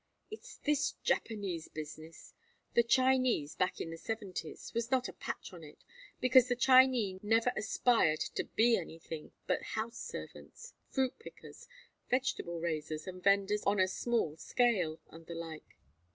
"It's this Japanese business. The Chinese, back in the Seventies, was not a patch on it, because the Chinee never aspired to be anything but house servants, fruit pickers, vegetable raisers and vendors on a small scale, and the like.